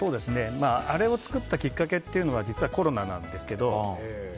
あれを作ったきっかけっていうのが実は、コロナなんですけど。